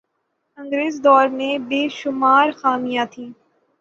انگریز دور میں بے شمار خامیاں تھیں